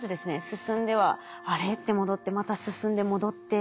進んでは「あれ？」って戻ってまた進んで戻って。